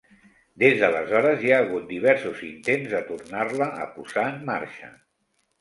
Des d'aleshores, hi ha hagut diversos intents de tornar-la a posar en marxa.